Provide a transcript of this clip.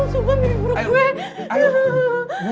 sumpah mirip buruk gue